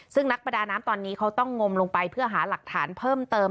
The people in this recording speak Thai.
ซึ่งนักประดาน้ำตอนนี้เขาต้องงมลงไปเพื่อหาหลักฐานเพิ่มเติม